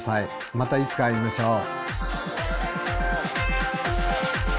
またいつか会いましょう。